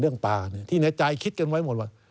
เรื่องป่าเนี่ยที่ในใจคิดกันไว้หมดว่า